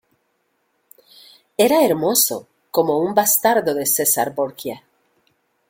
era hermoso como un bastardo de César Borgia.